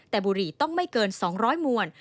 แต่บุหรี่ต้องไม่เกิน๒๐๐มวล